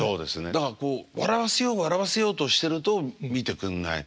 だからこう笑わせよう笑わせようとしてると見てくんない。